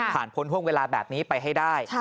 พ้นห่วงเวลาแบบนี้ไปให้ได้